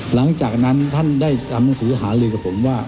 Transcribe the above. หลังจากนั้นท่านได้ทำหนังสือหาลือกับผมว่า